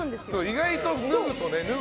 意外と脱ぐとね。